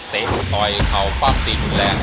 เตะต่อยเข้าฝ้ามตีนแรง